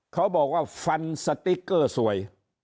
เขาบอกว่าฟันสติ๊กเกอร์สวย